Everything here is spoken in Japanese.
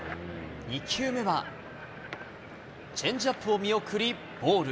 ２球目は、チェンジアップを見送りボール。